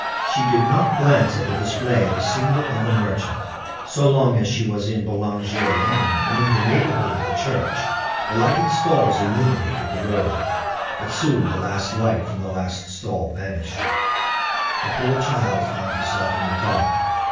She did not glance at the display of a single other merchant. So long as she was in Boulanger Lane and in the neighborhood of the church, the lighted stalls illuminated the road; but soon the last light from the last stall vanished. The poor child found herself in the dark.